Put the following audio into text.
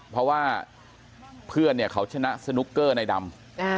เพราะว่าเพื่อนเนี่ยเขาชนะสนุกเกอร์ในดำ